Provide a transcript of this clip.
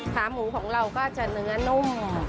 ขาหมูของเราก็จะเนื้อนุ่ม